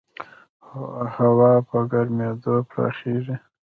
هوا په ګرمېدو پراخېږي.